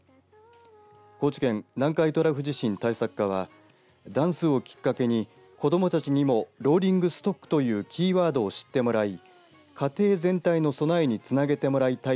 高知県南海トラフ地震対策課はダンスをきっかけに子どもたちにもローリングストックというキーワードを知ってもらい家庭全体の備えにつなげてもらいたい